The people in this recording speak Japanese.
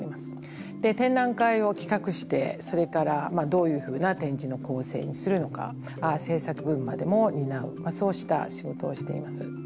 展覧会を企画してそれからどういうふうな展示の構成にするのか制作部分までも担うそうした仕事をしています。